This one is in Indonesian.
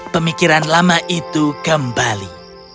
pemikiran lama itu kembali